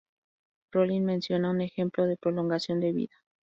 Rollin menciona un ejemplo de prolongación de vida.